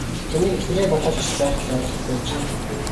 Таныг эхнэрээ болооч гэж байхад л ойлгох байжээ.